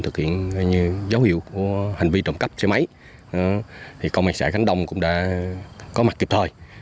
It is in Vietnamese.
thực hiện dấu hiệu hành vi trộm cắp xe máy công an xã khánh đông cũng đã có mặt